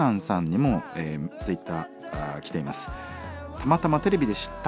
「たまたまテレビで知った。